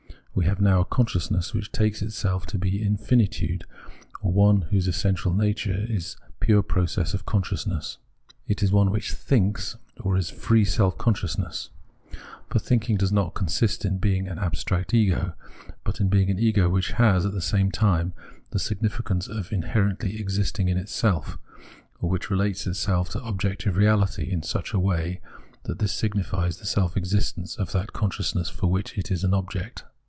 We have now a consciousness, which takes itself to be infinitude, or one whose essential nature is pure process of conscious ness. It is one which thinhs or is free self consciousness. For thinking does not consist in being an abstract ego, but in being an ego which has, at the same time, the significance of inherently existing in itself ; or which Free Self Consciousness 191 relates itself to objective reality in sucli a way that this signifies the self existence of that consciousness for which it is an object.